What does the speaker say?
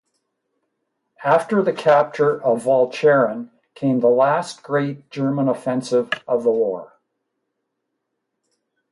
After the capture of Walcheren came the last great German offensive of the war.